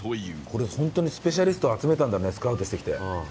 これホントにスペシャリストを集めたんだねスカウトしてきて。